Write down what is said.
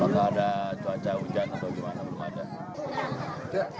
apakah ada cuaca hujan atau gimana belum ada